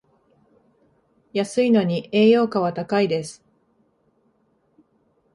安いのに栄養価は高いです